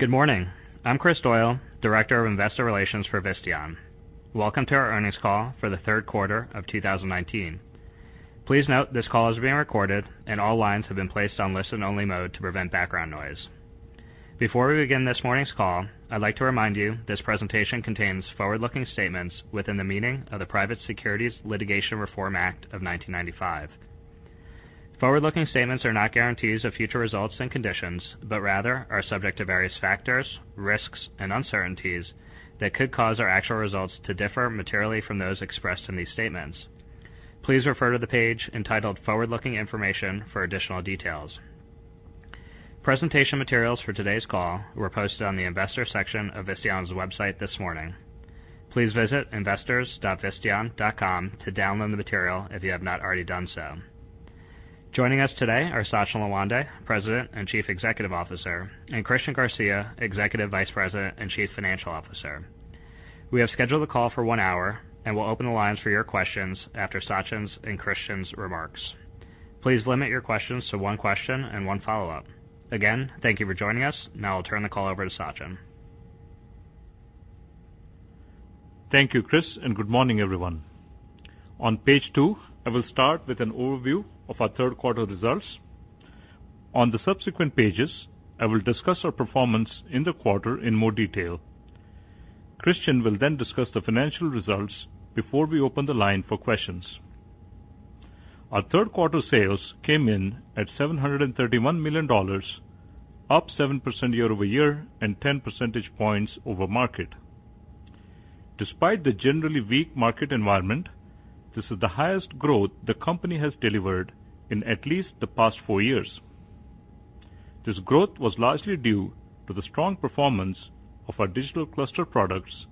Good morning. I'm Kris Doyle, Director of Investor Relations for Visteon. Welcome to our earnings call for the third quarter of 2019. Please note this call is being recorded, and all lines have been placed on listen-only mode to prevent background noise. Before we begin this morning's call, I'd like to remind you this presentation contains forward-looking statements within the meaning of the Private Securities Litigation Reform Act of 1995. Forward-looking statements are not guarantees of future results and conditions, but rather are subject to various factors, risks, and uncertainties that could cause our actual results to differ materially from those expressed in these statements. Please refer to the page entitled Forward-Looking Information for additional details. Presentation materials for today's call were posted on the investors section of Visteon's website this morning. Please visit investors.visteon.com to download the material if you have not already done so. Joining us today are Sachin Lawande, President and Chief Executive Officer, and Christian Garcia, Executive Vice President and Chief Financial Officer. We have scheduled the call for one hour and will open the lines for your questions after Sachin's and Christian's remarks. Please limit your questions to one question and one follow-up. Again, thank you for joining us. I'll turn the call over to Sachin. Thank you, Kris, and good morning, everyone. On page two, I will start with an overview of our third quarter results. On the subsequent pages, I will discuss our performance in the quarter in more detail. Christian will then discuss the financial results before we open the line for questions. Our third quarter sales came in at $731 million, up 7% year-over-year and 10 percentage points over market. Despite the generally weak market environment, this is the highest growth the company has delivered in at least the past four years. This growth was largely due to the strong performance of our digital cluster products,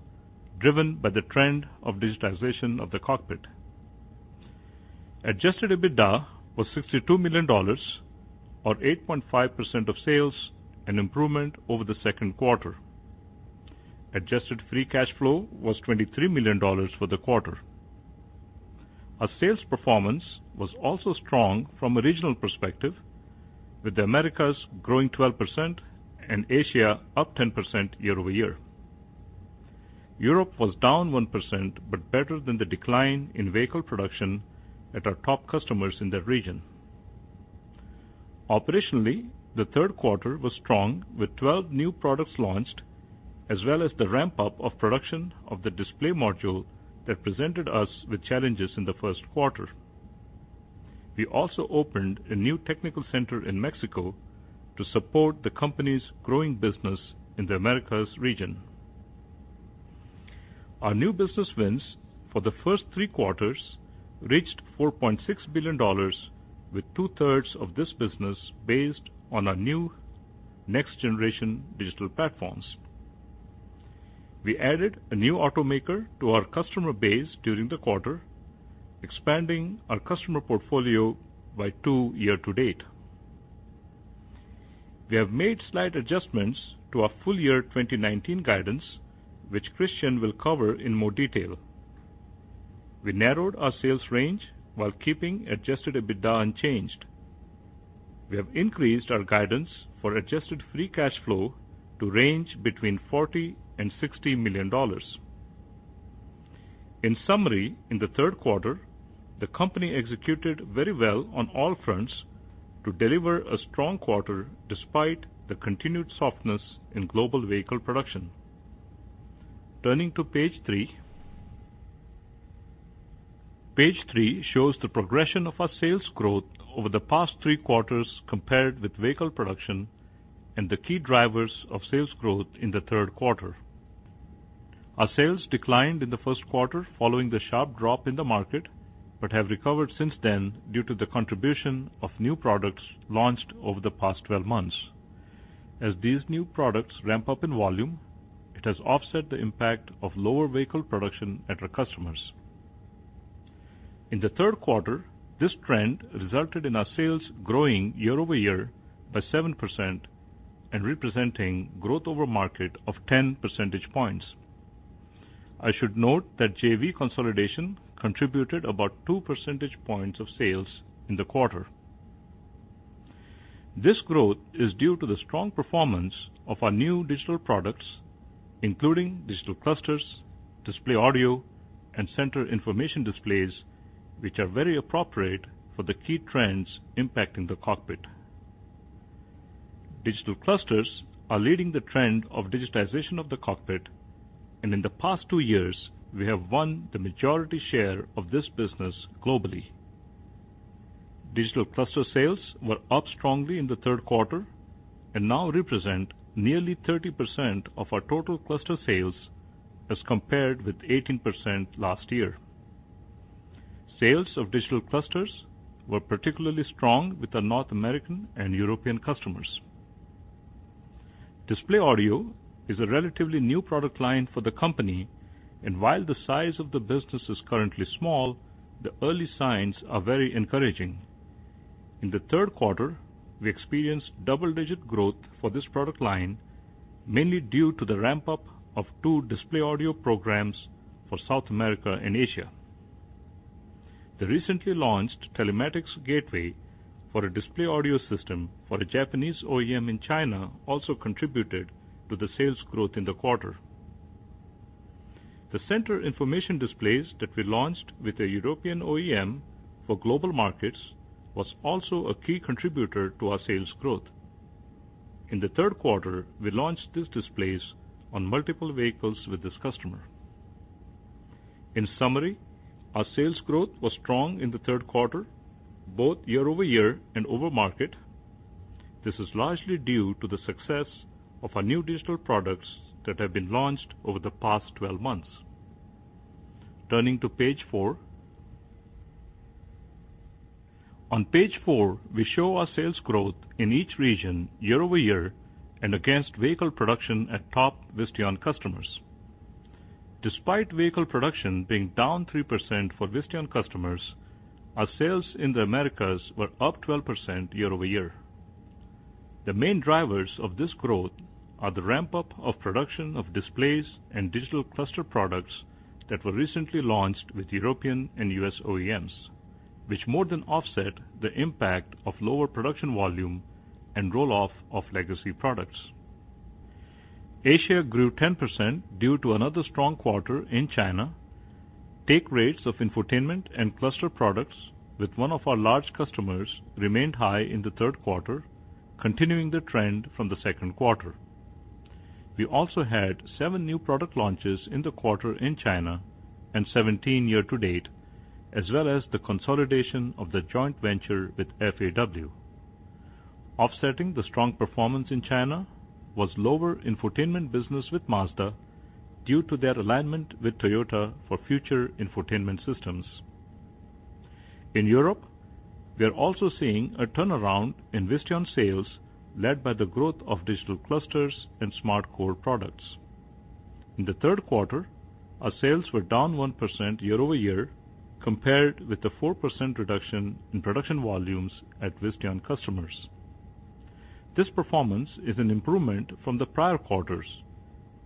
driven by the trend of digitization of the cockpit. Adjusted EBITDA was $62 million, or 8.5% of sales, an improvement over the second quarter. Adjusted free cash flow was $23 million for the quarter. Our sales performance was also strong from a regional perspective, with the Americas growing 12% and Asia up 10% year-over-year. Europe was down 1%, better than the decline in vehicle production at our top customers in the region. Operationally, the third quarter was strong with 12 new products launched, as well as the ramp-up of production of the display module that presented us with challenges in the first quarter. We also opened a new technical center in Mexico to support the company's growing business in the Americas region. Our new business wins for the first three quarters reached $4.6 billion, with two-thirds of this business based on our new next-generation digital platforms. We added a new automaker to our customer base during the quarter, expanding our customer portfolio by two year-to-date. We have made slight adjustments to our full year 2019 guidance, which Christian will cover in more detail. We narrowed our sales range while keeping adjusted EBITDA unchanged. We have increased our guidance for adjusted free cash flow to range between $40 million and $60 million. In summary, in the third quarter, the company executed very well on all fronts to deliver a strong quarter despite the continued softness in global vehicle production. Turning to page three. Page three shows the progression of our sales growth over the past three quarters compared with vehicle production and the key drivers of sales growth in the third quarter. Our sales declined in the first quarter following the sharp drop in the market, but have recovered since then due to the contribution of new products launched over the past 12 months. As these new products ramp up in volume, it has offset the impact of lower vehicle production at our customers. In the third quarter, this trend resulted in our sales growing year-over-year by 7% and representing growth over market of 10 percentage points. I should note that JV consolidation contributed about 2 percentage points of sales in the quarter. This growth is due to the strong performance of our new digital products, including digital clusters, display audio, and center information displays, which are very appropriate for the key trends impacting the cockpit. Digital clusters are leading the trend of digitization of the cockpit, and in the past two years, we have won the majority share of this business globally. Digital cluster sales were up strongly in the third quarter and now represent nearly 30% of our total cluster sales as compared with 18% last year. Sales of digital clusters were particularly strong with our North American and European customers. Display audio is a relatively new product line for the company, and while the size of the business is currently small, the early signs are very encouraging. In the third quarter, we experienced double-digit growth for this product line, mainly due to the ramp-up of two display audio programs for South America and Asia. The recently launched telematics gateway for a display audio system for a Japanese OEM in China also contributed to the sales growth in the quarter. The center information displays that we launched with a European OEM for global markets was also a key contributor to our sales growth. In the third quarter, we launched these displays on multiple vehicles with this customer. In summary, our sales growth was strong in the third quarter, both year-over-year and over market. This is largely due to the success of our new digital products that have been launched over the past 12 months. Turning to page four. On page four, we show our sales growth in each region year-over-year and against vehicle production at top Visteon customers. Despite vehicle production being down 3% for Visteon customers, our sales in the Americas were up 12% year-over-year. The main drivers of this growth are the ramp-up of production of displays and digital cluster products that were recently launched with European and U.S. OEMs, which more than offset the impact of lower production volume and roll-off of legacy products. Asia grew 10% due to another strong quarter in China. Take rates of infotainment and cluster products with one of our large customers remained high in the third quarter, continuing the trend from the second quarter. We also had 7 new product launches in the quarter in China and 17 year to date, as well as the consolidation of the joint venture with FAW. Offsetting the strong performance in China was lower infotainment business with Mazda due to their alignment with Toyota for future infotainment systems. In Europe, we are also seeing a turnaround in Visteon sales led by the growth of digital clusters and SmartCore products. In the third quarter, our sales were down 1% year-over-year compared with the 4% reduction in production volumes at Visteon customers. This performance is an improvement from the prior quarters.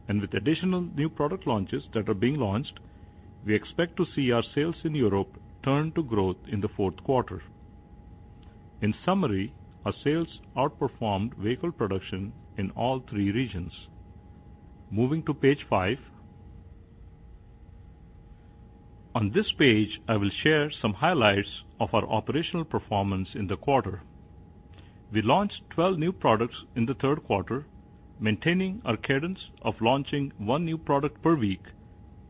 With additional new product launches that are being launched, we expect to see our sales in Europe turn to growth in the fourth quarter. In summary, our sales outperformed vehicle production in all three regions. Moving to page five. On this page, I will share some highlights of our operational performance in the quarter. We launched 12 new products in the third quarter, maintaining our cadence of launching one new product per week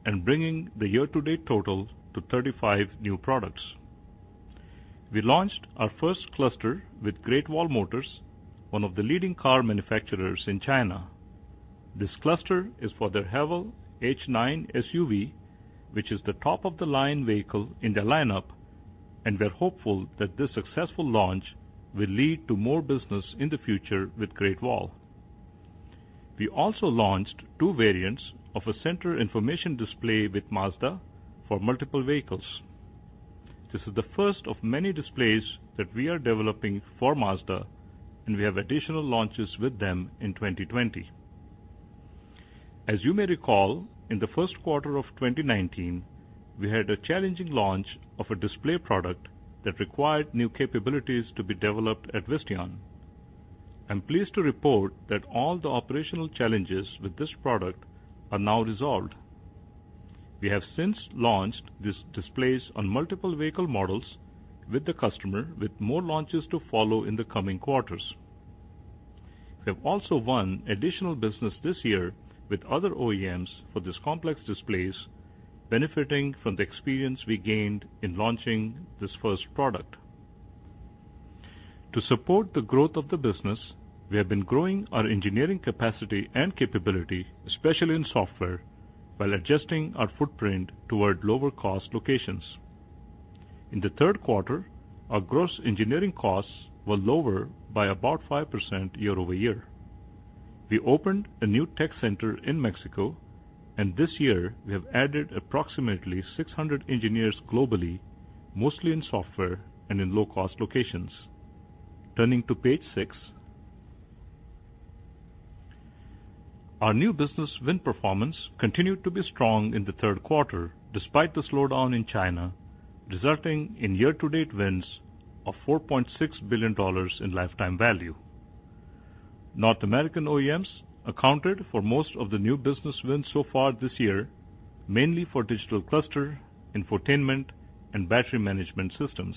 and bringing the year-to-date total to 35 new products. We launched our first cluster with Great Wall Motor, one of the leading car manufacturers in China. This cluster is for their Haval H9 SUV, which is the top-of-the-line vehicle in their lineup, and we're hopeful that this successful launch will lead to more business in the future with Great Wall. We also launched two variants of a center information display with Mazda for multiple vehicles. This is the first of many displays that we are developing for Mazda, and we have additional launches with them in 2020. As you may recall, in the first quarter of 2019, we had a challenging launch of a display product that required new capabilities to be developed at Visteon. I'm pleased to report that all the operational challenges with this product are now resolved. We have since launched these displays on multiple vehicle models with the customer, with more launches to follow in the coming quarters. We have also won additional business this year with other OEMs for these complex displays, benefiting from the experience we gained in launching this first product. To support the growth of the business, we have been growing our engineering capacity and capability, especially in software, while adjusting our footprint toward lower cost locations. In the third quarter, our gross engineering costs were lower by about 5% year-over-year. We opened a new tech center in Mexico. This year, we have added approximately 600 engineers globally, mostly in software and in low-cost locations. Turning to page six. Our new business win performance continued to be strong in the third quarter despite the slowdown in China, resulting in year-to-date wins of $4.6 billion in lifetime value. North American OEMs accounted for most of the new business wins so far this year, mainly for digital cluster, infotainment, and battery management systems.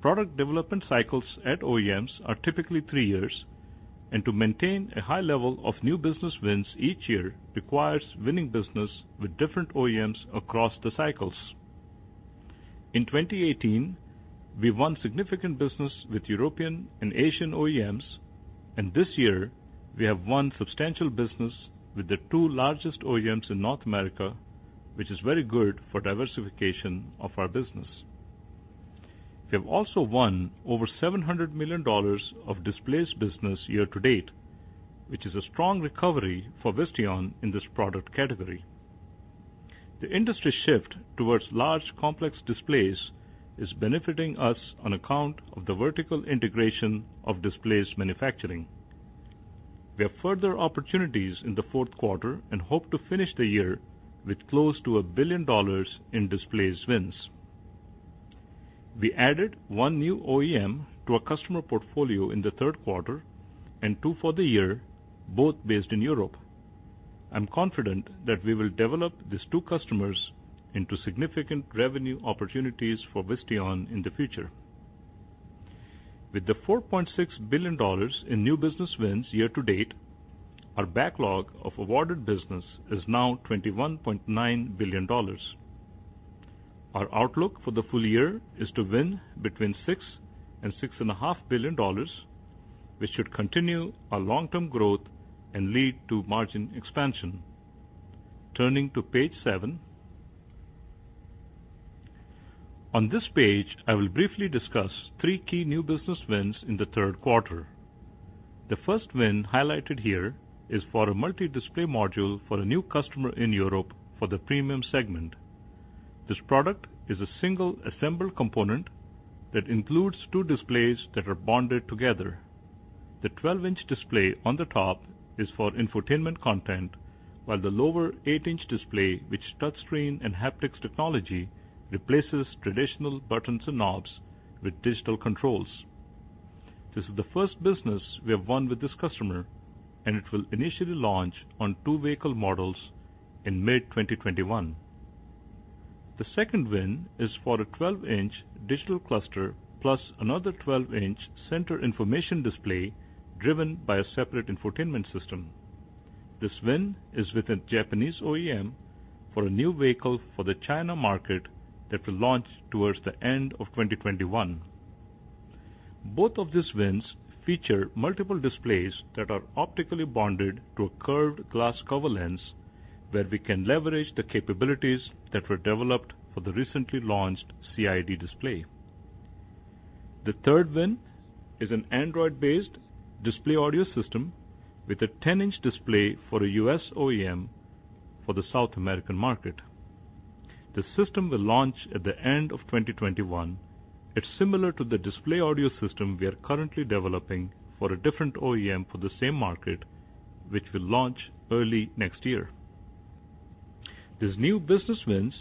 Product development cycles at OEMs are typically three years. To maintain a high level of new business wins each year requires winning business with different OEMs across the cycles. In 2018, we won significant business with European and Asian OEMs. This year, we have won substantial business with the two largest OEMs in North America, which is very good for diversification of our business. We have also won over $700 million of displays business year to date, which is a strong recovery for Visteon in this product category. The industry shift towards large complex displays is benefiting us on account of the vertical integration of displays manufacturing. We have further opportunities in the fourth quarter and hope to finish the year with close to $1 billion in displays wins. We added one new OEM to our customer portfolio in the third quarter, and two for the year, both based in Europe. I'm confident that we will develop these two customers into significant revenue opportunities for Visteon in the future. With the $4.6 billion in new business wins year to date, our backlog of awarded business is now $21.9 billion. Our outlook for the full year is to win between $6 billion and $6.5 billion, which should continue our long-term growth and lead to margin expansion. Turning to page seven. On this page, I will briefly discuss three key new business wins in the third quarter. The first win highlighted here is for a multi-display module for a new customer in Europe for the premium segment. This product is a single assembled component that includes two displays that are bonded together. The 12-inch display on the top is for infotainment content, while the lower eight-inch display, with touchscreen and haptics technology, replaces traditional buttons and knobs with digital controls. This is the first business we have won with this customer, and it will initially launch on two vehicle models in mid-2021. The second win is for a 12-inch digital cluster plus another 12-inch center information display driven by a separate infotainment system. This win is with a Japanese OEM for a new vehicle for the China market that will launch towards the end of 2021. Both of these wins feature multiple displays that are optically bonded to a curved glass cover lens where we can leverage the capabilities that were developed for the recently launched CID display. The third win is an Android-based display audio system with a 10-inch display for a U.S. OEM for the South American market. This system will launch at the end of 2021. It's similar to the display audio system we are currently developing for a different OEM for the same market, which will launch early next year. These new business wins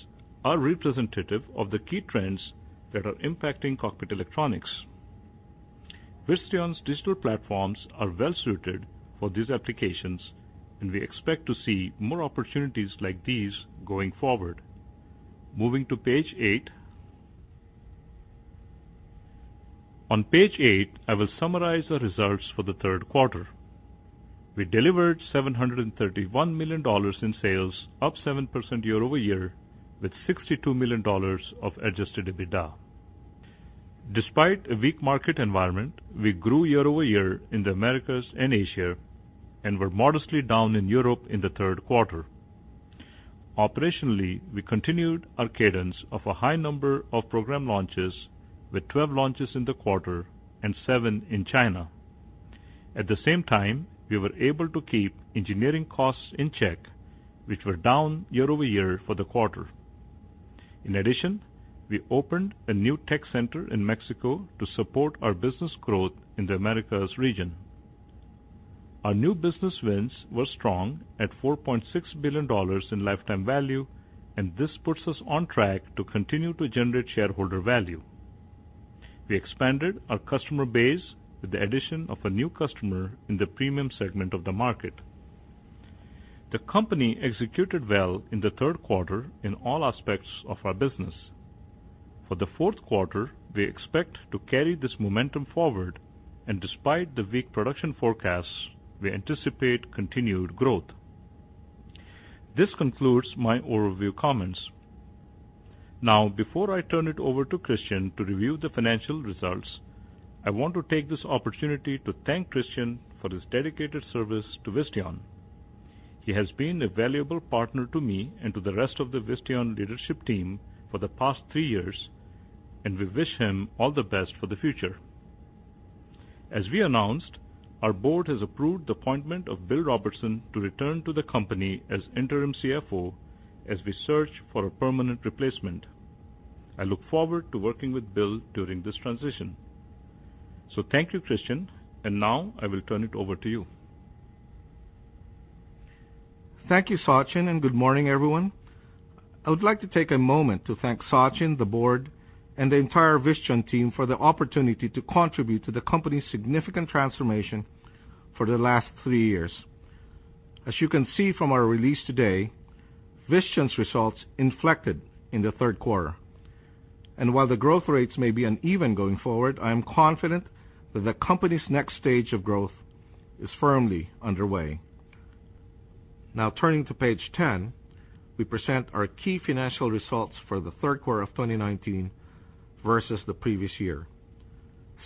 are representative of the key trends that are impacting cockpit electronics. Visteon's digital platforms are well suited for these applications, and we expect to see more opportunities like these going forward. Moving to page eight. On page eight, I will summarize our results for the third quarter. We delivered $731 million in sales, up 7% year-over-year, with $62 million of adjusted EBITDA. Despite a weak market environment, we grew year-over-year in the Americas and Asia and were modestly down in Europe in the third quarter. Operationally, we continued our cadence of a high number of program launches with 12 launches in the quarter and seven in China. At the same time, we were able to keep engineering costs in check, which were down year-over-year for the quarter. In addition, we opened a new tech center in Mexico to support our business growth in the Americas region. Our new business wins were strong at $4.6 billion in lifetime value, and this puts us on track to continue to generate shareholder value. We expanded our customer base with the addition of a new customer in the premium segment of the market. The company executed well in the third quarter in all aspects of our business. For the fourth quarter, we expect to carry this momentum forward, and despite the weak production forecasts, we anticipate continued growth. This concludes my overview comments. Now, before I turn it over to Christian to review the financial results, I want to take this opportunity to thank Christian for his dedicated service to Visteon. He has been a valuable partner to me and to the rest of the Visteon leadership team for the past three years, and we wish him all the best for the future. As we announced, our board has approved the appointment of Bill Robertson to return to the company as interim CFO as we search for a permanent replacement. I look forward to working with Bill during this transition. Thank you, Christian, and now I will turn it over to you. Thank you, Sachin, good morning, everyone. I would like to take a moment to thank Sachin, the board, and the entire Visteon team for the opportunity to contribute to the company's significant transformation for the last three years. As you can see from our release today, Visteon's results inflected in the third quarter. While the growth rates may be uneven going forward, I am confident that the company's next stage of growth is firmly underway. Now turning to page 10, we present our key financial results for the third quarter of 2019 versus the previous year.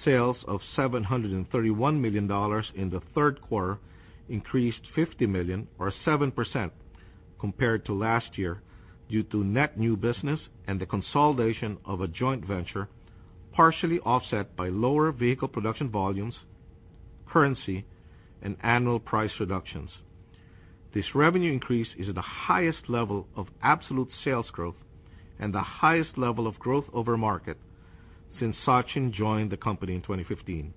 Sales of $731 million in the third quarter increased $50 million or 7% compared to last year due to net new business and the consolidation of a joint venture, partially offset by lower vehicle production volumes, currency, and annual price reductions. This revenue increase is at the highest level of absolute sales growth and the highest level of growth over market since Sachin joined the company in 2015.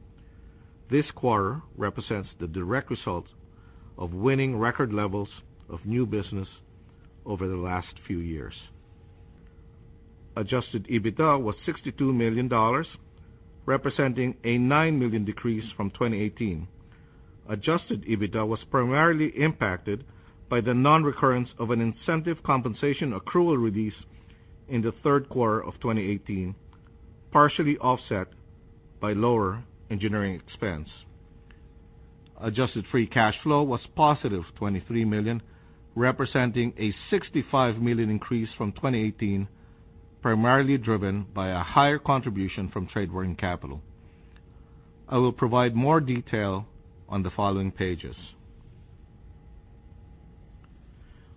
This quarter represents the direct result of winning record levels of new business over the last few years. Adjusted EBITDA was $62 million, representing a $9 million decrease from 2018. Adjusted EBITDA was primarily impacted by the non-recurrence of an incentive compensation accrual release in the third quarter of 2018, partially offset by lower engineering expense. Adjusted free cash flow was positive $23 million, representing a $65 million increase from 2018, primarily driven by a higher contribution from trade working capital. I will provide more detail on the following pages.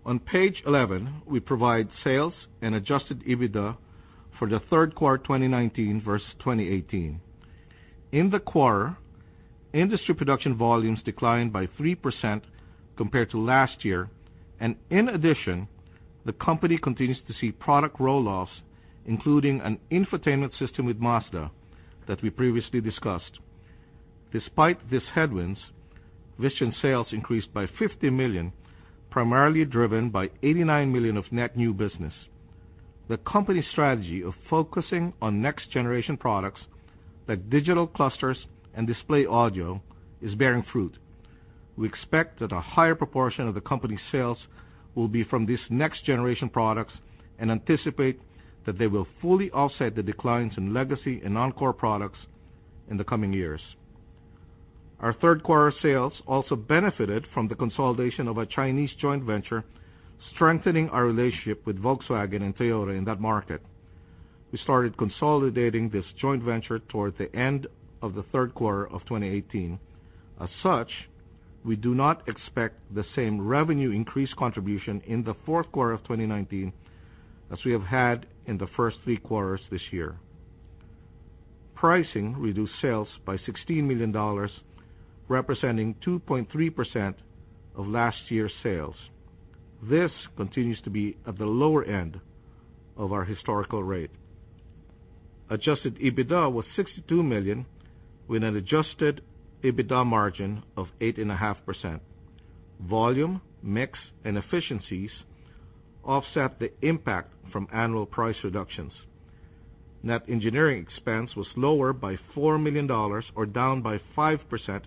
On page 11, we provide sales and adjusted EBITDA for the third quarter 2019 versus 2018. In the quarter, industry production volumes declined by 3% compared to last year, and in addition, the company continues to see product roll-offs, including an infotainment system with Mazda that we previously discussed. Despite these headwinds, Visteon sales increased by $50 million, primarily driven by $89 million of net new business. The company strategy of focusing on next-generation products like digital clusters and display audio is bearing fruit. We expect that a higher proportion of the company sales will be from these next-generation products and anticipate that they will fully offset the declines in legacy and analog products in the coming years. Our third quarter sales also benefited from the consolidation of a Chinese joint venture, strengthening our relationship with Volkswagen and Toyota in that market. We started consolidating this joint venture toward the end of the third quarter of 2018. As such, we do not expect the same revenue increase contribution in the fourth quarter of 2019 as we have had in the first three quarters this year. Pricing reduced sales by $16 million, representing 2.3% of last year's sales. This continues to be at the lower end of our historical rate. Adjusted EBITDA was $62 million, with an adjusted EBITDA margin of 8.5%. Volume, mix, and efficiencies offset the impact from annual price reductions. Net engineering expense was lower by $4 million or down by 5%,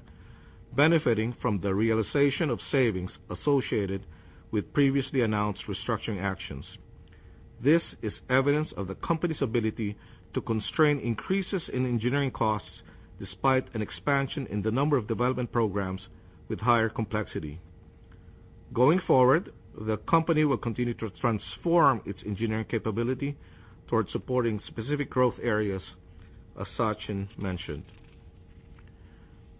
benefiting from the realization of savings associated with previously announced restructuring actions. This is evidence of the company's ability to constrain increases in engineering costs despite an expansion in the number of development programs with higher complexity. Going forward, the company will continue to transform its engineering capability towards supporting specific growth areas as Sachin mentioned.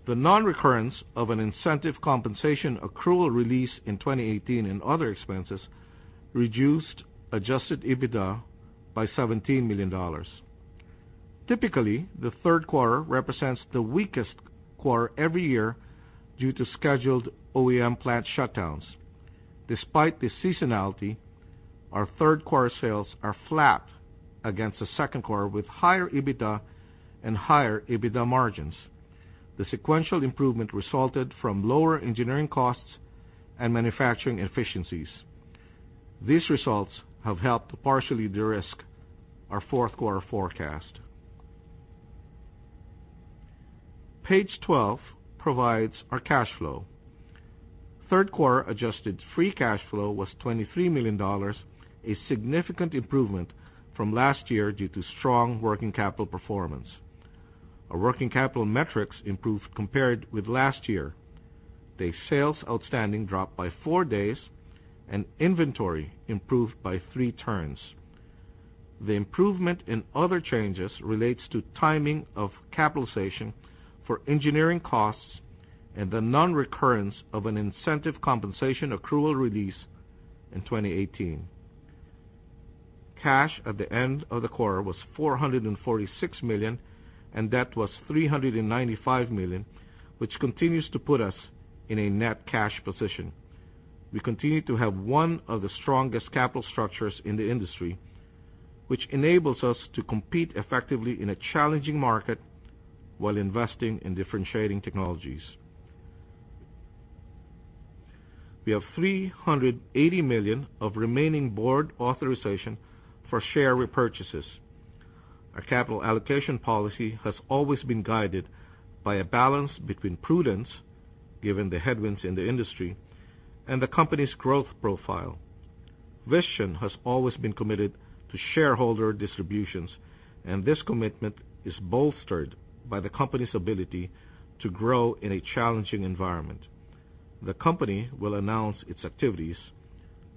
The non-recurrence of an incentive compensation accrual release in 2018 and other expenses reduced adjusted EBITDA by $17 million. Typically, the third quarter represents the weakest quarter every year due to scheduled OEM plant shutdowns. Despite the seasonality, our third quarter sales are flat against the second quarter with higher EBITDA and higher EBITDA margins. The sequential improvement resulted from lower engineering costs and manufacturing efficiencies. These results have helped partially de-risk our fourth quarter forecast. Page 12 provides our cash flow. Third quarter adjusted free cash flow was $23 million, a significant improvement from last year due to strong working capital performance. Our working capital metrics improved compared with last year. Day Sales Outstanding dropped by four days, and inventory improved by three turns. The improvement in other changes relates to timing of capitalization for engineering costs and the non-recurrence of an incentive compensation accrual release in 2018. Cash at the end of the quarter was $446 million, and debt was $395 million, which continues to put us in a net cash position. We continue to have one of the strongest capital structures in the industry, which enables us to compete effectively in a challenging market while investing in differentiating technologies. We have $380 million of remaining board authorization for share repurchases. Our capital allocation policy has always been guided by a balance between prudence, given the headwinds in the industry, and the company's growth profile. Visteon has always been committed to shareholder distributions, and this commitment is bolstered by the company's ability to grow in a challenging environment. The company will announce its activities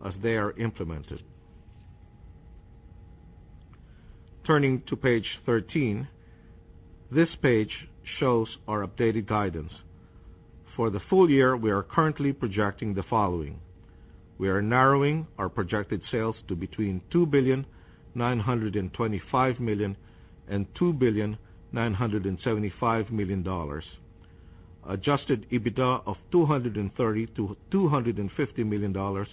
as they are implemented. Turning to page 13, this page shows our updated guidance. For the full year, we are currently projecting the following. We are narrowing our projected sales to between $2 billion, 925 million and $2 billion, 975 million. Adjusted EBITDA of $230 million-$250 million,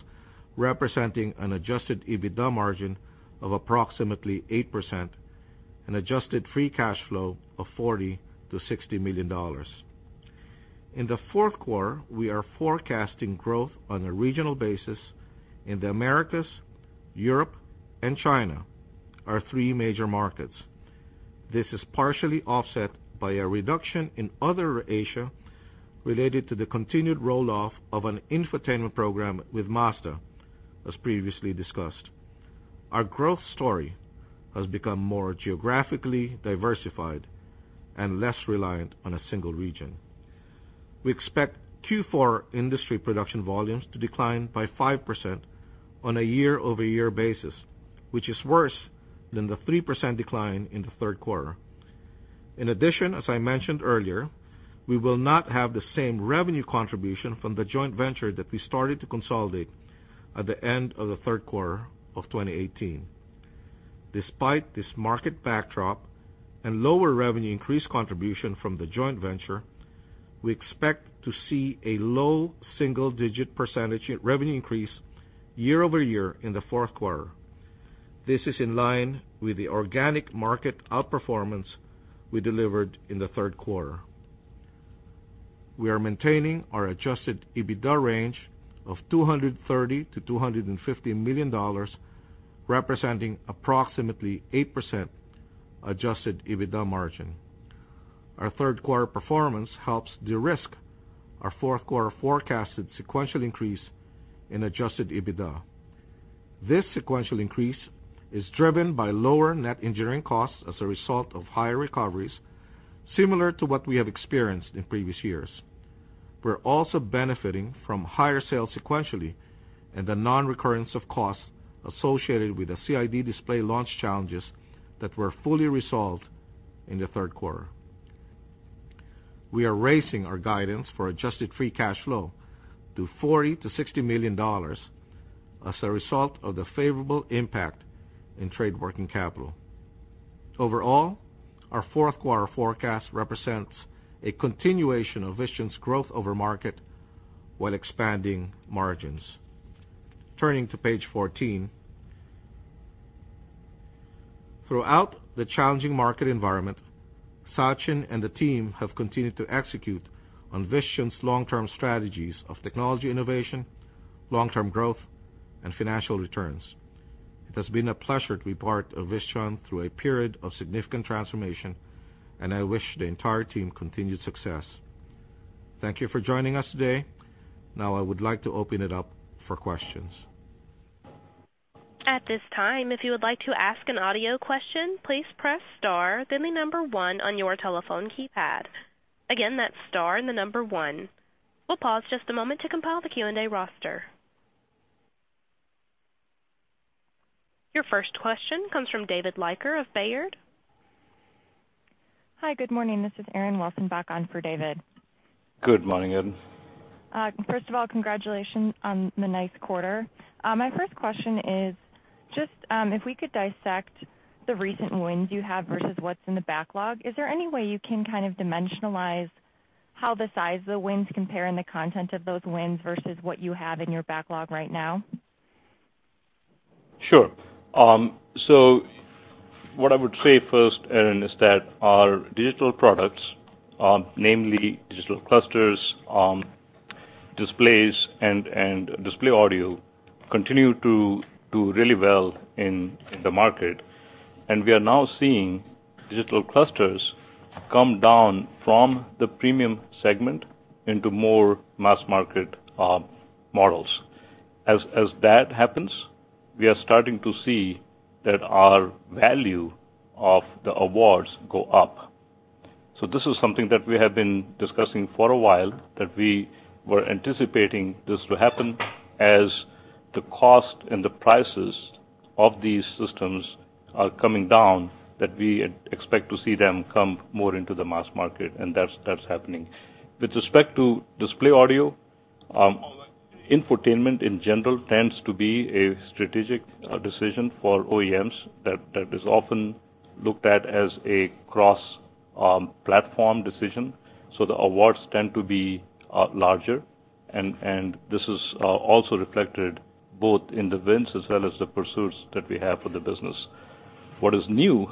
representing an adjusted EBITDA margin of approximately 8%, an adjusted free cash flow of $40 million-$60 million. In the fourth quarter, we are forecasting growth on a regional basis in the Americas, Europe and China, our three major markets. This is partially offset by a reduction in other Asia related to the continued roll-off of an infotainment program with Mazda, as previously discussed. Our growth story has become more geographically diversified and less reliant on a single region. We expect Q4 industry production volumes to decline by 5% on a year-over-year basis, which is worse than the 3% decline in the third quarter. As I mentioned earlier, we will not have the same revenue contribution from the joint venture that we started to consolidate at the end of the third quarter of 2018. Despite this market backdrop and lower revenue increase contribution from the joint venture, we expect to see a low single-digit percentage revenue increase year-over-year in the fourth quarter. This is in line with the organic market outperformance we delivered in the third quarter. We are maintaining our adjusted EBITDA range of $230 million-$250 million, representing approximately 8% adjusted EBITDA margin. Our third-quarter performance helps de-risk our fourth quarter forecasted sequential increase in adjusted EBITDA. This sequential increase is driven by lower net engineering costs as a result of higher recoveries, similar to what we have experienced in previous years. We're also benefiting from higher sales sequentially and the non-recurrence of costs associated with the CID display launch challenges that were fully resolved in the third quarter. We are raising our guidance for adjusted free cash flow to $40 million-$60 million as a result of the favorable impact in trade working capital. Overall, our fourth-quarter forecast represents a continuation of Visteon's growth over market while expanding margins. Turning to page 14. Throughout the challenging market environment, Sachin and the team have continued to execute on Visteon's long-term strategies of technology innovation, long-term growth, and financial returns. It has been a pleasure to be part of Visteon through a period of significant transformation, and I wish the entire team continued success. Thank you for joining us today. Now I would like to open it up for questions. At this time, if you would like to ask an audio question, please press star, then the number one on your telephone keypad. Again, that's star and the number one. We'll pause just a moment to compile the Q&A roster. Your first question comes from David Leiker of Baird. Hi. Good morning. This is Erin Wilson back on for David. Good morning, Erin. First of all, congratulations on the nice quarter. My first question is just, if we could dissect the recent wins you have versus what's in the backlog. Is there any way you can kind of dimensionalize how the size of the wins compare and the content of those wins versus what you have in your backlog right now? Sure. What I would say first, Erin, is that our digital products, namely digital clusters, displays, and display audio, continue to do really well in the market. We are now seeing digital clusters come down from the premium segment into more mass-market models. As that happens, we are starting to see that our value of the awards go up. This is something that we have been discussing for a while, that we were anticipating this to happen as the cost and the prices of these systems are coming down, that we expect to see them come more into the mass market, and that's happening. With respect to display audio, infotainment in general tends to be a strategic decision for OEMs that is often looked at as a cross-platform decision, so the awards tend to be larger, and this is also reflected both in the wins as well as the pursuits that we have for the business. What is new,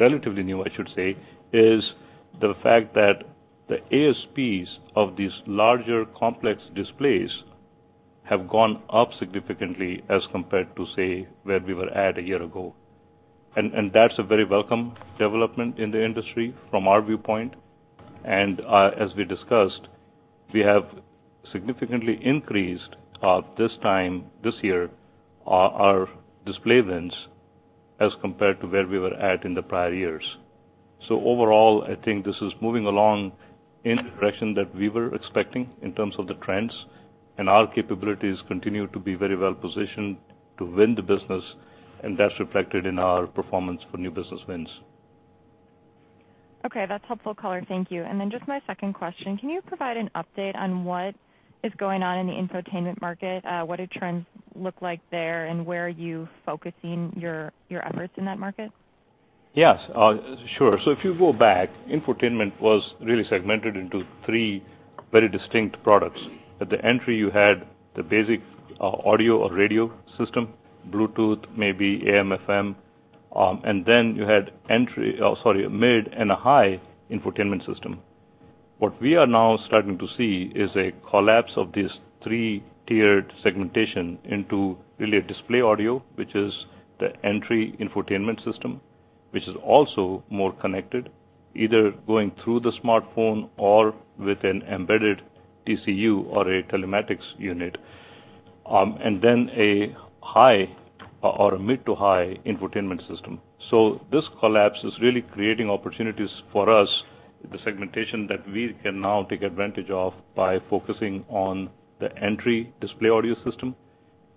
relatively new I should say, is the fact that the ASPs of these larger, complex displays have gone up significantly as compared to, say, where we were at a year ago. That's a very welcome development in the industry from our viewpoint. As we discussed, we have significantly increased our this time, this year, our display wins as compared to where we were at in the prior years. Overall, I think this is moving along in the direction that we were expecting in terms of the trends, and our capabilities continue to be very well positioned to win the business, and that's reflected in our performance for new business wins. Okay, that's helpful color. Thank you. Just my second question, can you provide an update on what is going on in the infotainment market? What do trends look like there, and where are you focusing your efforts in that market? Yes. Sure. If you go back, infotainment was really segmented into three very distinct products. At the entry, you had the basic audio or radio system, Bluetooth, maybe AM/FM, and then you had mid and a high infotainment system. We are now starting to see is a collapse of this 3-tiered segmentation into really a display audio, which is the entry infotainment system, which is also more connected, either going through the smartphone or with an embedded TCU or a telematics unit, and then a mid to high infotainment system. This collapse is really creating opportunities for us, the segmentation that we can now take advantage of by focusing on the entry display audio system,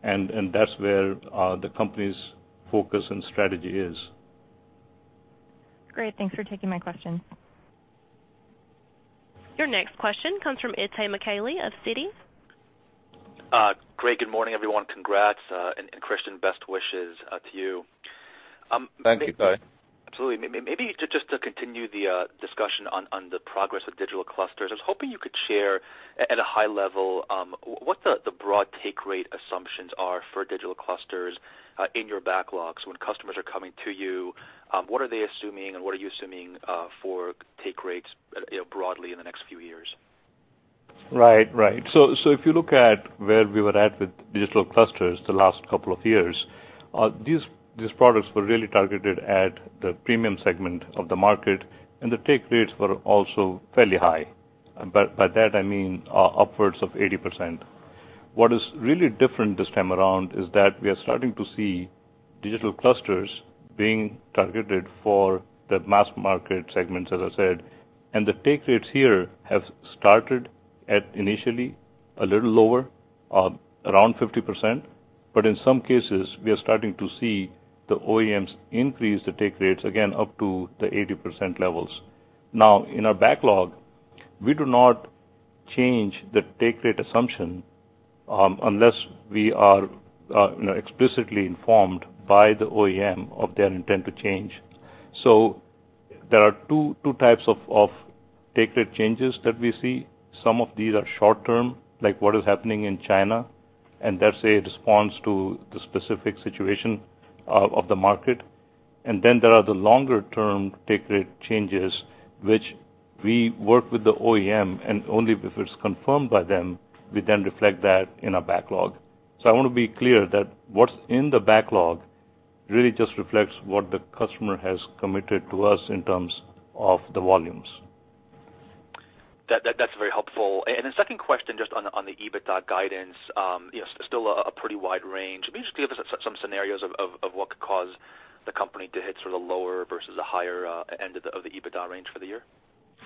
and that's where the company's focus and strategy is. Great. Thanks for taking my question. Your next question comes from Itay Michaeli of Citi. Great. Good morning, everyone. Congrats, Christian, best wishes to you. Thank you, Itay. Absolutely. Maybe just to continue the discussion on the progress of digital clusters, I was hoping you could share at a high level, what the broad take rate assumptions are for digital clusters in your backlogs when customers are coming to you, what are they assuming and what are you assuming for take rates broadly in the next few years? Right. If you look at where we were at with digital clusters the last couple of years, these products were really targeted at the premium segment of the market, and the take rates were also fairly high. By that I mean upwards of 80%. What is really different this time around is that we are starting to see digital clusters being targeted for the mass market segments, as I said. The take rates here have started at initially a little lower, around 50%, but in some cases, we are starting to see the OEMs increase the take rates again up to the 80% levels. In our backlog, we do not change the take rate assumption, unless we are explicitly informed by the OEM of their intent to change. There are two types of take rate changes that we see. Some of these are short-term, like what is happening in China, and that's a response to the specific situation of the market. Then there are the longer-term take rate changes, which we work with the OEM and only if it's confirmed by them, we then reflect that in our backlog. I want to be clear that what's in the backlog really just reflects what the customer has committed to us in terms of the volumes. That's very helpful. Second question, just on the EBITDA guidance, still a pretty wide range. Can you just give us some scenarios of what could cause the company to hit sort of lower versus a higher end of the EBITDA range for the year?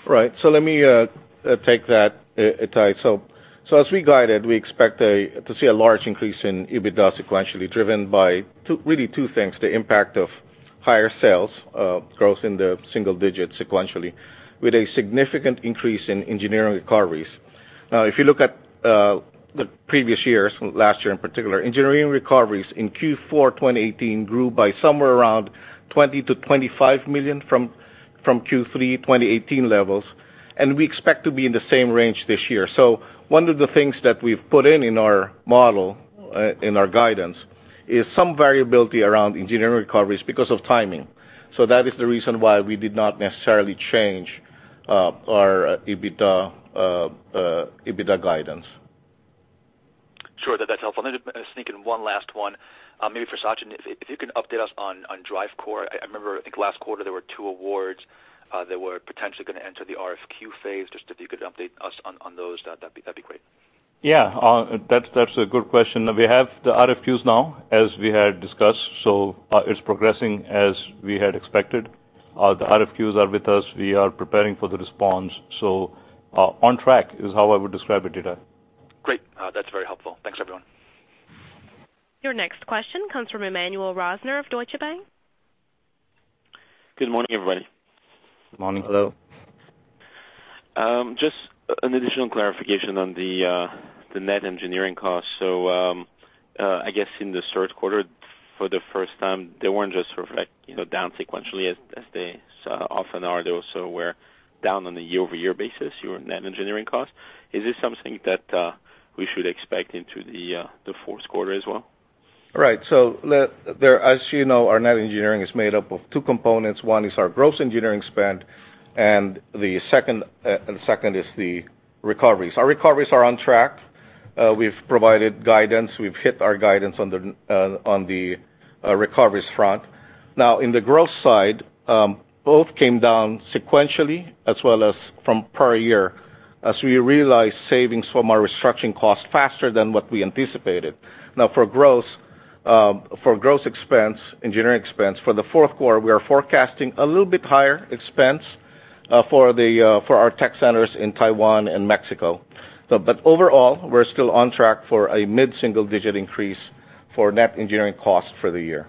Right. Let me take that, Itay. As we guided, we expect to see a large increase in EBITDA sequentially, driven by really two things, the impact of higher sales growth in the single digits sequentially, with a significant increase in engineering recoveries. Now, if you look at the previous years, last year in particular, engineering recoveries in Q4 2018 grew by somewhere around $20 million-$25 million from Q3 2018 levels, and we expect to be in the same range this year. One of the things that we've put in in our model, in our guidance, is some variability around engineering recoveries because of timing. That is the reason why we did not necessarily change our EBITDA guidance. Sure. That's helpful. Sneak in one last one, maybe for Sachin, if you can update us on DriveCore. I remember, I think last quarter, there were two awards that were potentially going to enter the RFQ phase. Just if you could update us on those, that'd be great. Yeah. That's a good question. We have the RFQs now, as we had discussed, it's progressing as we had expected. The RFQs are with us. We are preparing for the response. On track is how I would describe it, Itay. Great. That's very helpful. Thanks, everyone. Your next question comes from Emmanuel Rosner of Deutsche Bank. Good morning, everybody. Good morning. Hello. Just an additional clarification on the net engineering cost. I guess in this third quarter, for the first time, they weren't just down sequentially as they often are. They also were down on a year-over-year basis, your net engineering cost. Is this something that we should expect into the fourth quarter as well? As you know, our net engineering is made up of two components. One is our gross engineering spend, and the second is the recoveries. Our recoveries are on track. We've provided guidance. We've hit our guidance on the recoveries front. In the gross side, both came down sequentially as well as from prior year, as we realized savings from our restructuring costs faster than what we anticipated. For gross expense, engineering expense, for the fourth quarter, we are forecasting a little bit higher expense for our tech centers in Taiwan and Mexico. Overall, we're still on track for a mid-single-digit increase for net engineering costs for the year.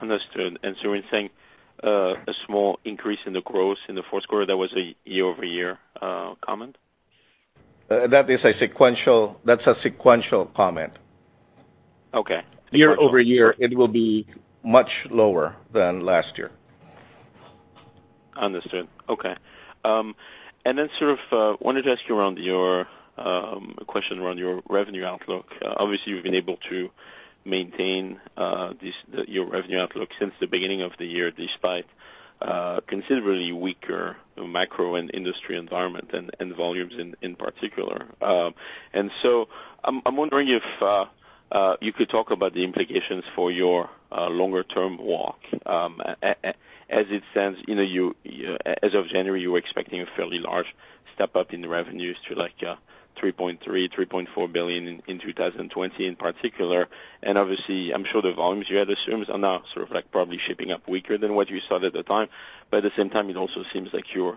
Understood. When saying a small increase in the growth in the fourth quarter, that was a year-over-year comment? That's a sequential comment. Okay. Year-over-year, it will be much lower than last year. Understood. Okay. I sort of wanted to ask you a question around your revenue outlook. Obviously, you've been able to maintain your revenue outlook since the beginning of the year, despite considerably weaker macro and industry environment and volumes in particular. I'm wondering if you could talk about the implications for your longer term walk. As it stands, as of January, you were expecting a fairly large step up in the revenues to like $3.3 billion-$3.4 billion in 2020 in particular. Obviously, I'm sure the volumes you had assumed are now sort of like probably shaping up weaker than what you saw at the time. At the same time, it also seems like you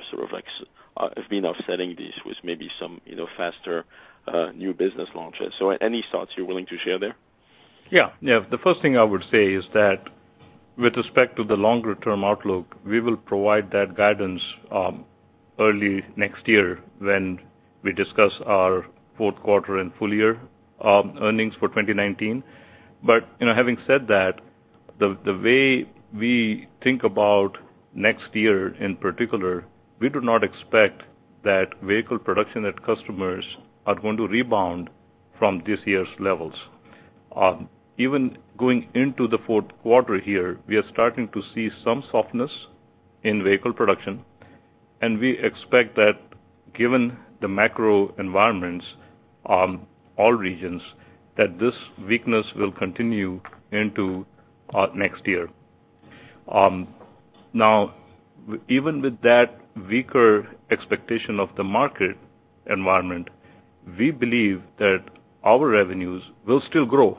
have been offsetting this with maybe some faster new business launches. Any thoughts you're willing to share there? The first thing I would say is that with respect to the longer term outlook, we will provide that guidance early next year when we discuss our fourth quarter and full year earnings for 2019. Having said that, the way we think about next year in particular, we do not expect that vehicle production at customers are going to rebound from this year's levels. Even going into the fourth quarter here, we are starting to see some softness in vehicle production, and we expect that given the macro environments, all regions, that this weakness will continue into next year. Even with that weaker expectation of the market environment, we believe that our revenues will still grow,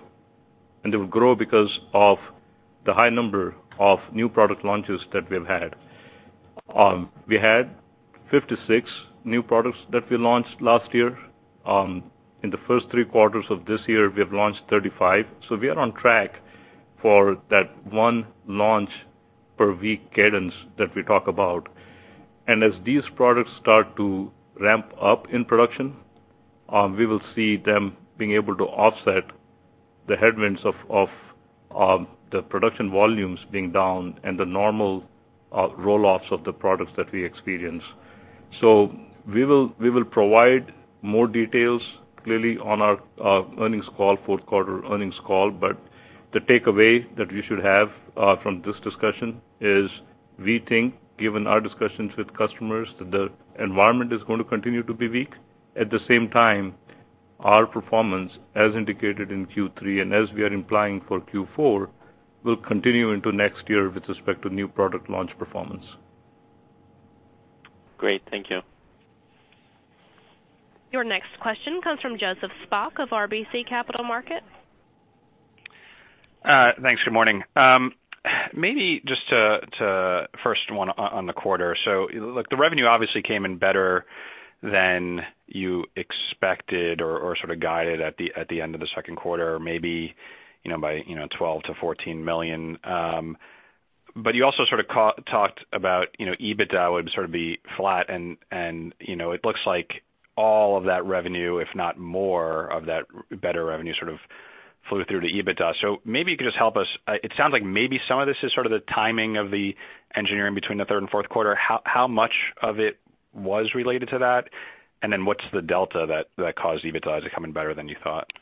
and they will grow because of the high number of new product launches that we've had. We had 56 new products that we launched last year. In the first three quarters of this year, we have launched 35. We are on track for that one launch per week cadence that we talk about. As these products start to ramp up in production, we will see them being able to offset the headwinds of the production volumes being down and the normal roll offs of the products that we experience. We will provide more details clearly on our fourth quarter earnings call, but the takeaway that we should have from this discussion is we think, given our discussions with customers, that the environment is going to continue to be weak. At the same time, our performance, as indicated in Q3 and as we are implying for Q4, will continue into next year with respect to new product launch performance. Great. Thank you. Your next question comes from Joseph Spak of RBC Capital Markets. Thanks. Good morning. Maybe just to first one on the quarter. Look, the revenue obviously came in better than you expected or sort of guided at the end of the second quarter, maybe by $12 million-$14 million. You also sort of talked about EBITDA would sort of be flat, and it looks like all of that revenue, if not more of that better revenue, sort of flew through to EBITDA. Maybe you could just help us. It sounds like maybe some of this is sort of the timing of the engineering between the third and fourth quarter. How much of it was related to that, and then what's the delta that caused EBITDA to come in better than you thought?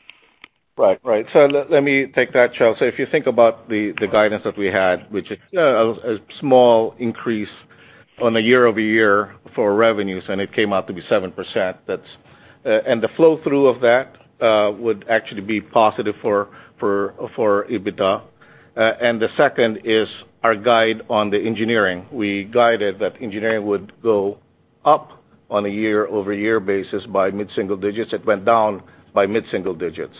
Right. Let me take that, Joe. If you think about the guidance that we had, which is a small increase on a year-over-year for revenues, and it came out to be 7%, and the flow through of that would actually be positive for EBITDA. The second is our guide on the engineering. We guided that engineering would go up on a year-over-year basis by mid-single digits. It went down by mid-single digits.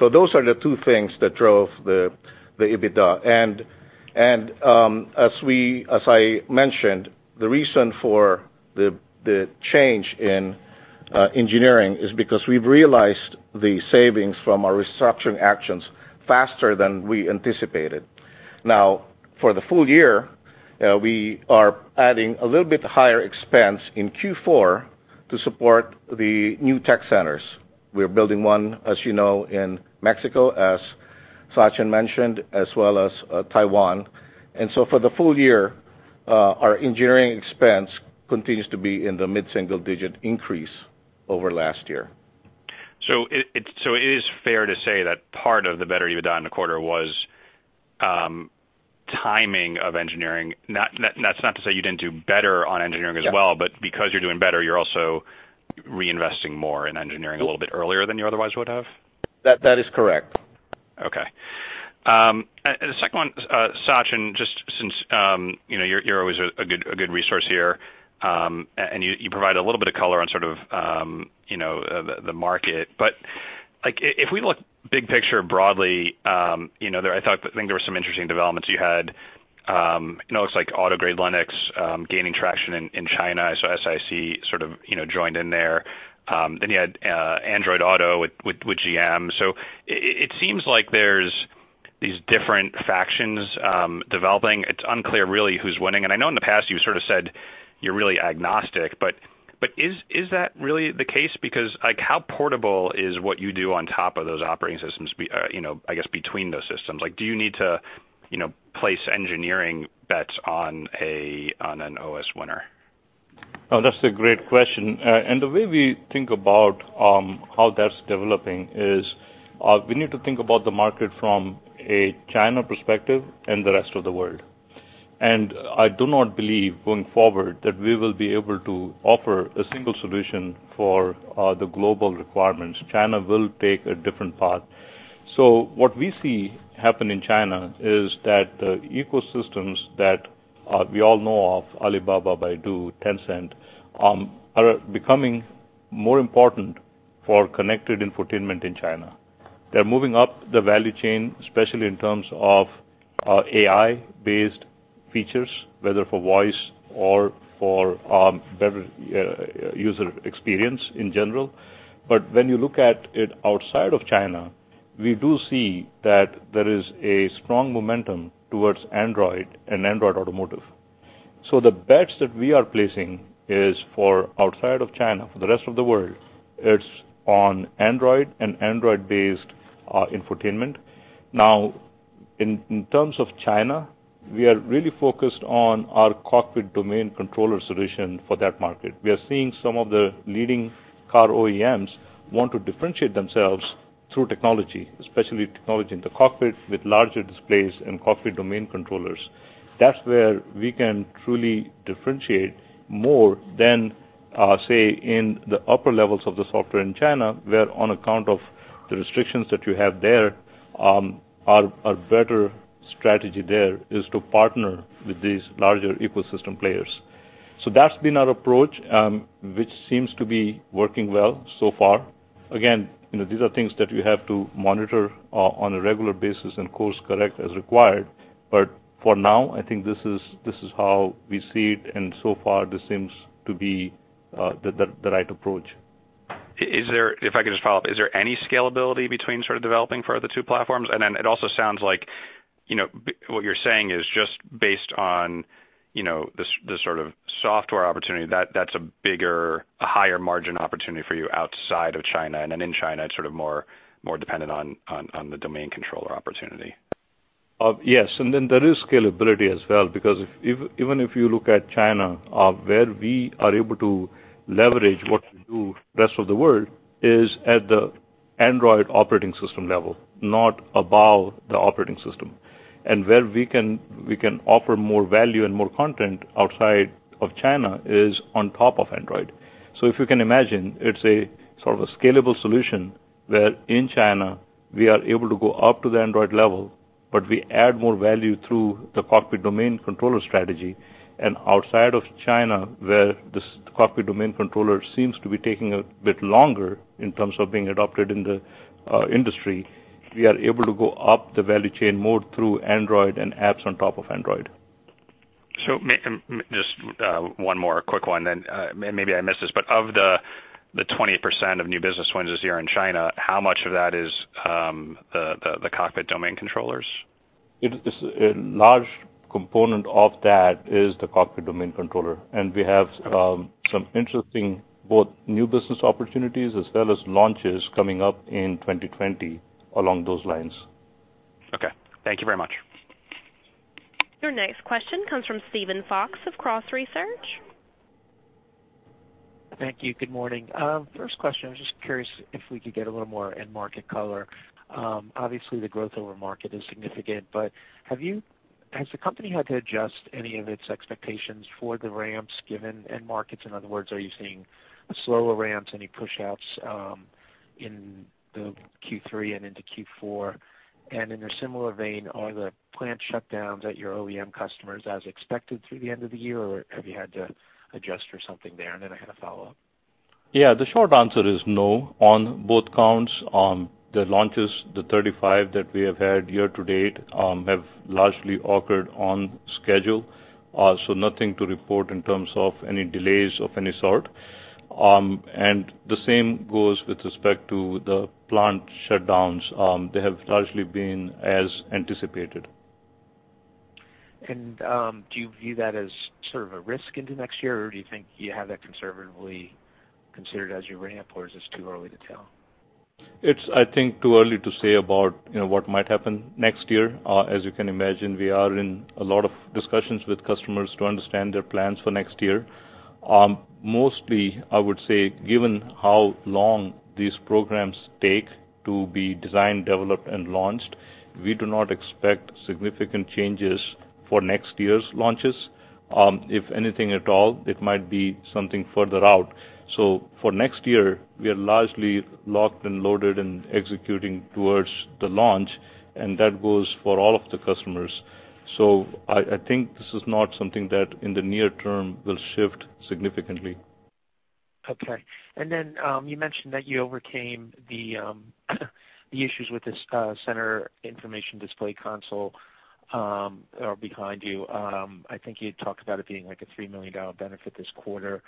Those are the two things that drove the EBITDA. As I mentioned, the reason for the change in engineering is because we've realized the savings from our restructuring actions faster than we anticipated. Now, for the full year, we are adding a little bit higher expense in Q4 to support the new tech centers. We're building one, as you know, in Mexico, as Sachin mentioned, as well as Taiwan. For the full year, our engineering expense continues to be in the mid-single digit increase over last year. It is fair to say that part of the better EBITDA in the quarter was timing of engineering. That's not to say you didn't do better on engineering as well, but because you're doing better, you're also reinvesting more in engineering a little bit earlier than you otherwise would have? That is correct. Okay. The second one, Sachin, just since you're always a good resource here, and you provide a little bit of color on sort of the market. If we look big picture broadly, I think there were some interesting developments you had. It looks like Automotive Grade Linux gaining traction in China. SAIC sort of joined in there. You had Android Auto with GM. It seems like there's these different factions developing. It's unclear really who's winning. I know in the past you sort of said you're really agnostic, but is that really the case? How portable is what you do on top of those operating systems, I guess, between those systems? Do you need to place engineering bets on an OS winner? Oh, that's a great question. The way we think about how that's developing is we need to think about the market from a China perspective and the rest of the world. I do not believe going forward that we will be able to offer a single solution for the global requirements. China will take a different path. What we see happen in China is that the ecosystems that we all know of, Alibaba, Baidu, Tencent, are becoming more important for connected infotainment in China. They're moving up the value chain, especially in terms of AI-based features, whether for voice or for better user experience in general. When you look at it outside of China, we do see that there is a strong momentum towards Android and Android Automotive. The bets that we are placing is for outside of China, for the rest of the world. It's on Android and Android-based infotainment. In terms of China, we are really focused on our cockpit domain controller solution for that market. We are seeing some of the leading car OEMs want to differentiate themselves through technology, especially technology in the cockpit with larger displays and cockpit domain controllers. That's where we can truly differentiate more than, say, in the upper levels of the software in China, where on account of the restrictions that you have there, our better strategy there is to partner with these larger ecosystem players. That's been our approach, which seems to be working well so far. Again, these are things that we have to monitor on a regular basis and course correct as required. For now, I think this is how we see it, and so far this seems to be the right approach. If I could just follow up, is there any scalability between sort of developing for the two platforms? It also sounds like what you're saying is just based on the sort of software opportunity, that's a bigger, a higher margin opportunity for you outside of China. In China, it's sort of more dependent on the cockpit domain controller opportunity. Yes. Then there is scalability as well, because even if you look at China, where we are able to leverage what we do rest of the world is at the Android operating system level, not above the operating system. Where we can offer more value and more content outside of China is on top of Android. If you can imagine, it's a sort of a scalable solution where in China, we are able to go up to the Android level, but we add more value through the cockpit domain controller strategy. Outside of China, where this cockpit domain controller seems to be taking a bit longer in terms of being adopted in the industry, we are able to go up the value chain more through Android and apps on top of Android. Just one more quick one, and maybe I missed this, but of the 20% of new business wins this year in China, how much of that is the cockpit domain controllers? A large component of that is the cockpit domain controller, and we have some interesting both new business opportunities as well as launches coming up in 2020 along those lines. Okay. Thank you very much. Your next question comes from Steven Fox of Cross Research. Thank you. Good morning. First question, I was just curious if we could get a little more end market color. Obviously, the growth of our market is significant, but has the company had to adjust any of its expectations for the ramps given end markets? In other words, are you seeing slower ramps, any pushouts in the Q3 and into Q4? In a similar vein, are the plant shutdowns at your OEM customers as expected through the end of the year, or have you had to adjust or something there? Then I had a follow-up. Yeah, the short answer is no on both counts. The launches, the 35 that we have had year to date, have largely occurred on schedule. Nothing to report in terms of any delays of any sort. The same goes with respect to the plant shutdowns. They have largely been as anticipated. Do you view that as sort of a risk into next year, or do you think you have that conservatively considered as you ramp, or is this too early to tell? It's, I think, too early to say about what might happen next year. As you can imagine, we are in a lot of discussions with customers to understand their plans for next year. Mostly, I would say, given how long these programs take to be designed, developed, and launched, we do not expect significant changes for next year's launches. If anything at all, it might be something further out. For next year, we are largely locked and loaded and executing towards the launch, and that goes for all of the customers. I think this is not something that in the near term will shift significantly. Okay. You mentioned that you overcame the issues with this center information display console are behind you. I think you had talked about it being like a $3 million benefit this quarter.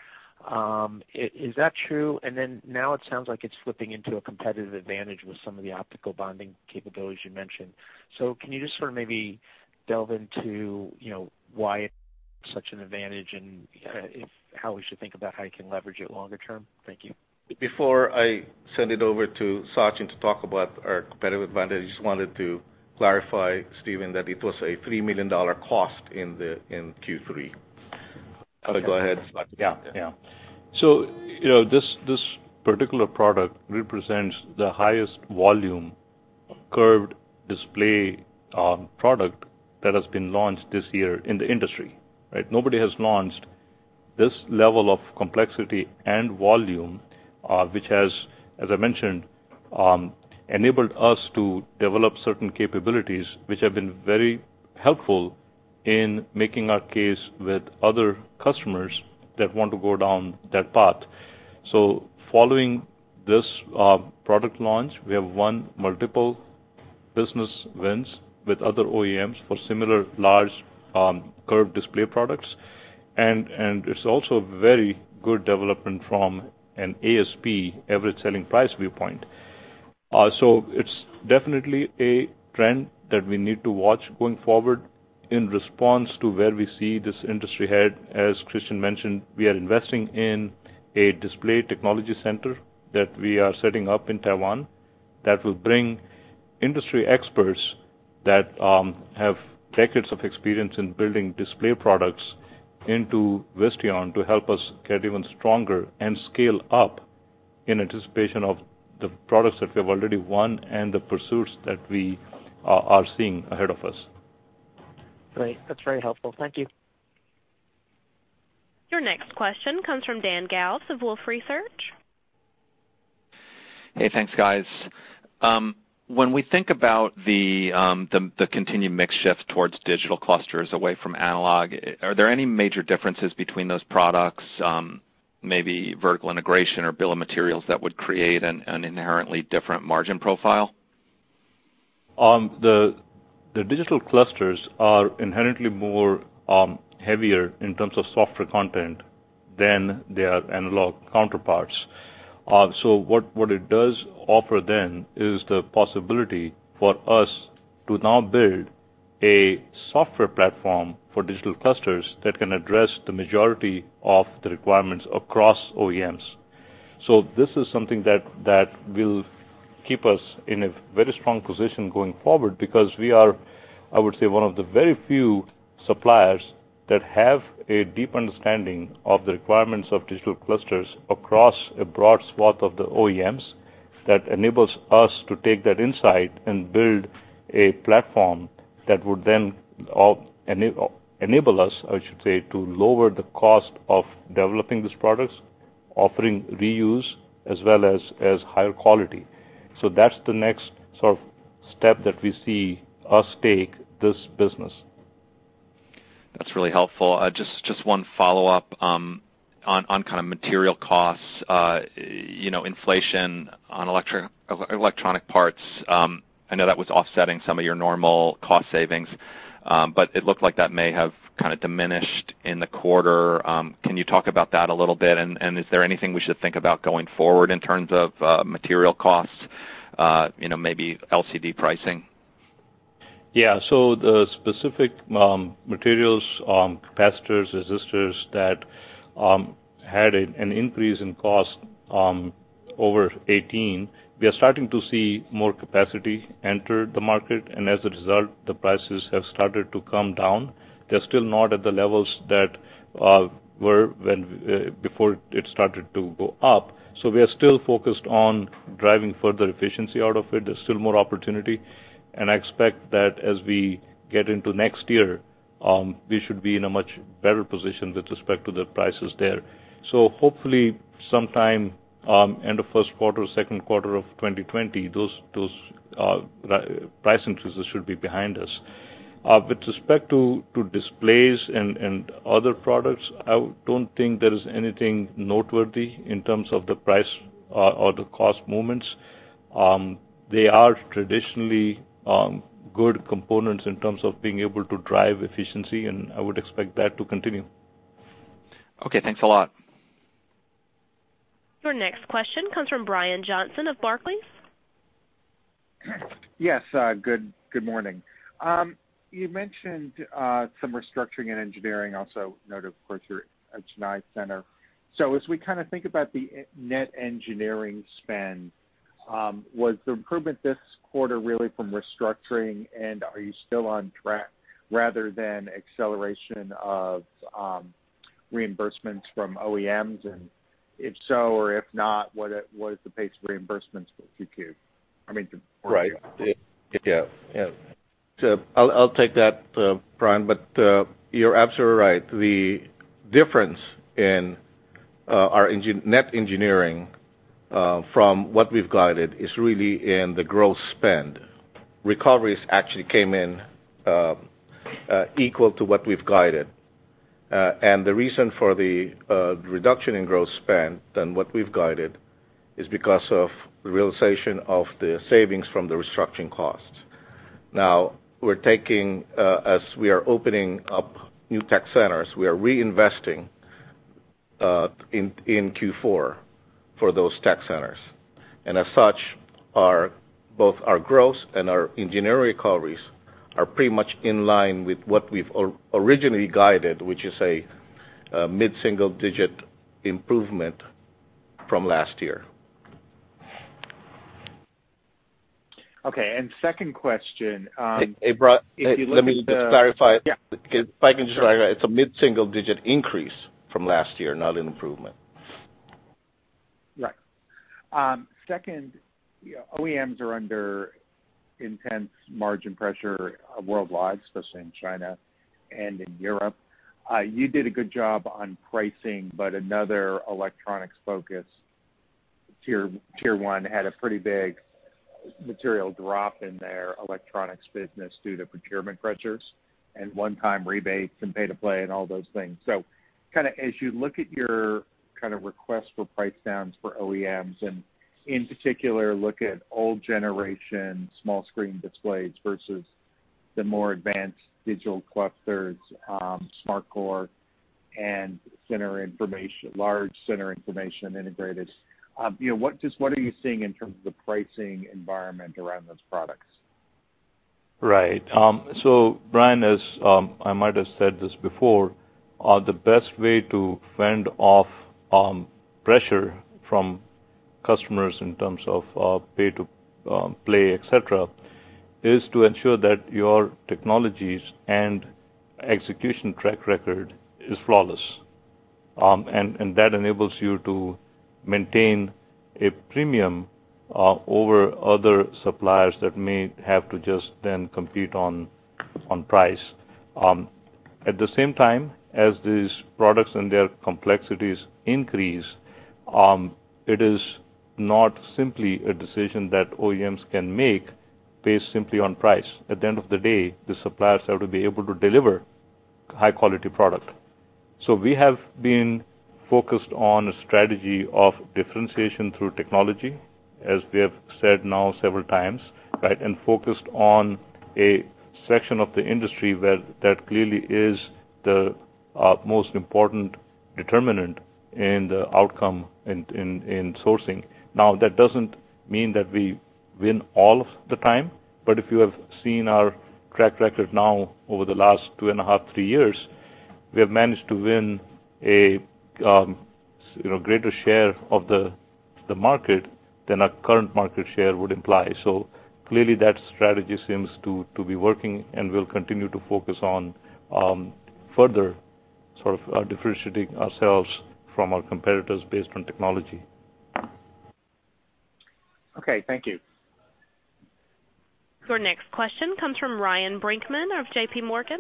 Is that true? Now it sounds like it's flipping into a competitive advantage with some of the optical bonding capabilities you mentioned. Can you just sort of maybe delve into why it's such an advantage and how we should think about how you can leverage it longer term? Thank you. Before I send it over to Sachin to talk about our competitive advantage, I just wanted to clarify, Steven, that it was a $3 million cost in Q3. Go ahead, Sachin. Yeah. This particular product represents the highest volume of curved display product that has been launched this year in the industry, right? Nobody has launched this level of complexity and volume, which has, as I mentioned, enabled us to develop certain capabilities, which have been very helpful in making our case with other customers that want to go down that path. Following this product launch, we have won multiple business wins with other OEMs for similar large curved display products. It's also a very good development from an ASP, average selling price viewpoint. It's definitely a trend that we need to watch going forward in response to where we see this industry head. As Christian mentioned, we are investing in a display technology center that we are setting up in Taiwan that will bring industry experts that have decades of experience in building display products into Visteon to help us get even stronger and scale up in anticipation of the products that we have already won and the pursuits that we are seeing ahead of us. Great. That's very helpful. Thank you. Your next question comes from Dan Galves of Wolfe Research. Hey, thanks, guys. When we think about the continued mix shift towards digital clusters away from analog, are there any major differences between those products, maybe vertical integration or bill of materials that would create an inherently different margin profile? The digital clusters are inherently more heavier in terms of software content than their analog counterparts. What it does offer then is the possibility for us to now build a software platform for digital clusters that can address the majority of the requirements across OEMs. This is something that will keep us in a very strong position going forward because we are, I would say, one of the very few suppliers that have a deep understanding of the requirements of digital clusters across a broad swath of the OEMs that enables us to take that insight and build a platform that would then enable us, I should say, to lower the cost of developing these products, offering reuse as well as higher quality. That's the next sort of step that we see us take this business. That's really helpful. Just one follow-up on kind of material costs, inflation on electronic parts. I know that was offsetting some of your normal cost savings. It looked like that may have kind of diminished in the quarter. Can you talk about that a little bit? Is there anything we should think about going forward in terms of material costs, maybe LCD pricing? Yeah. The specific materials, capacitors, resistors that had an increase in cost over 2018, we are starting to see more capacity enter the market. As a result, the prices have started to come down. They're still not at the levels that were before it started to go up. We are still focused on driving further efficiency out of it. There's still more opportunity, and I expect that as we get into next year, we should be in a much better position with respect to the prices there. Hopefully sometime end of first quarter, second quarter of 2020, those price increases should be behind us. With respect to displays and other products, I don't think there is anything noteworthy in terms of the price or the cost movements. They are traditionally good components in terms of being able to drive efficiency, and I would expect that to continue. Okay, thanks a lot. Your next question comes from Brian Johnson of Barclays. Yes, good morning. You mentioned some restructuring in engineering, also noted, of course, your Chennai center. As we kind of think about the net engineering spend, was the improvement this quarter really from restructuring, and are you still on track rather than acceleration of reimbursements from OEMs? If so or if not, what is the pace of reimbursements for 2Q? Right. Yeah. I'll take that, Brian, but you're absolutely right. The difference in our net engineering from what we've guided is really in the growth spend. Recoveries actually came in Equal to what we've guided. The reason for the reduction in growth spend than what we've guided is because of the realization of the savings from the restructuring costs. Now, as we are opening up new tech centers, we are reinvesting in Q4 for those tech centers. As such, both our gross and our engineering recoveries are pretty much in line with what we've originally guided, which is a mid-single-digit improvement from last year. Okay, second question. Hey, Brian, let me just clarify. Yeah, sure. If I can just clarify, it's a mid-single-digit increase from last year, not an improvement. Right. Second, OEMs are under intense margin pressure worldwide, especially in China and in Europe. You did a good job on pricing, but another electronics focus, Tier 1, had a pretty big material drop in their electronics business due to procurement pressures and one-time rebates and pay to play and all those things. As you look at your request for price downs for OEMs, and in particular, look at old generation small screen displays versus the more advanced digital clusters, SmartCore, and large center information display, what are you seeing in terms of the pricing environment around those products? Right. Brian, as I might have said this before, the best way to fend off pressure from customers in terms of pay to play, et cetera, is to ensure that your technologies and execution track record is flawless. That enables you to maintain a premium over other suppliers that may have to just then compete on price. At the same time as these products and their complexities increase, it is not simply a decision that OEMs can make based simply on price. At the end of the day, the suppliers have to be able to deliver high-quality product. We have been focused on a strategy of differentiation through technology, as we have said now several times, right? Focused on a section of the industry where that clearly is the most important determinant in the outcome in sourcing. That doesn't mean that we win all of the time, but if you have seen our track record now over the last two and a half, three years, we have managed to win a greater share of the market than our current market share would imply. Clearly that strategy seems to be working, and we'll continue to focus on further differentiating ourselves from our competitors based on technology. Okay, thank you. Your next question comes from Ryan Brinkman of JPMorgan.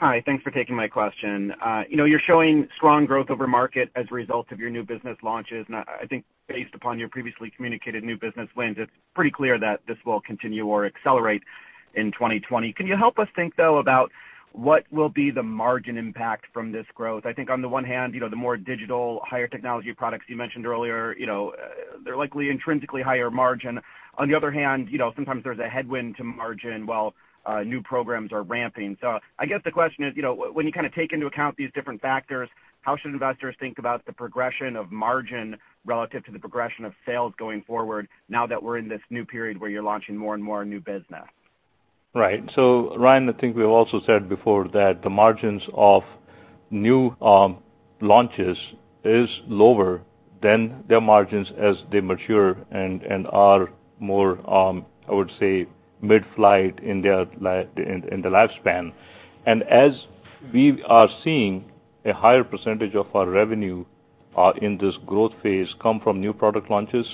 Hi. Thanks for taking my question. You're showing strong growth over market as a result of your new business launches, and I think based upon your previously communicated new business wins, it's pretty clear that this will continue or accelerate in 2020. Can you help us think, though, about what will be the margin impact from this growth? I think on the one hand, the more digital, higher technology products you mentioned earlier, they're likely intrinsically higher margin. On the other hand, sometimes there's a headwind to margin while new programs are ramping. I guess the question is, when you take into account these different factors, how should investors think about the progression of margin relative to the progression of sales going forward now that we're in this new period where you're launching more and more new business? Right. Ryan, I think we've also said before that the margins of new launches is lower than their margins as they mature and are more, I would say, mid-flight in their lifespan. As we are seeing a higher % of our revenue in this growth phase come from new product launches,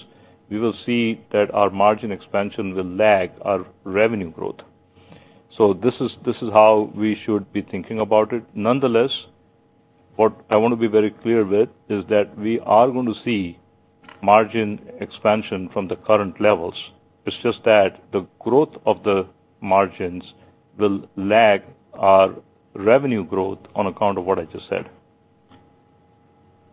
we will see that our margin expansion will lag our revenue growth. This is how we should be thinking about it. Nonetheless, what I want to be very clear with is that we are going to see margin expansion from the current levels. It's just that the growth of the margins will lag our revenue growth on account of what I just said.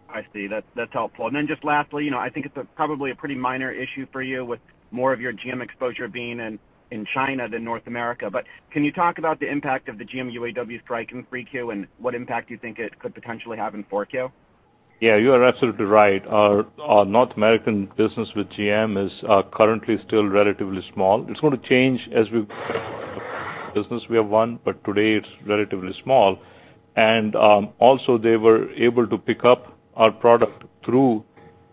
I see. That's helpful. Just lastly, I think it's probably a pretty minor issue for you with more of your GM exposure being in China than North America, but can you talk about the impact of the GM UAW strike in Q3 and what impact you think it could potentially have in Q4? Yeah, you are absolutely right. Our North American business with GM is currently still relatively small. It's going to change as we business we have won, but today it's relatively small. Also, they were able to pick up our product through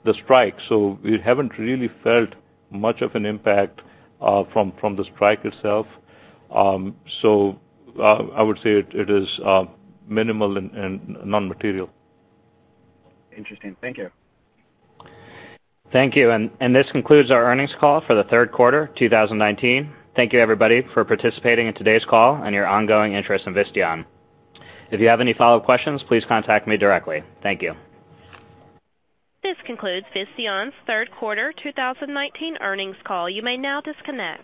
the strike, so we haven't really felt much of an impact from the strike itself. I would say it is minimal and non-material. Interesting. Thank you. Thank you. This concludes our earnings call for the third quarter 2019. Thank you, everybody, for participating in today's call and your ongoing interest in Visteon. If you have any follow-up questions, please contact me directly. Thank you. This concludes Visteon's third quarter 2019 earnings call. You may now disconnect.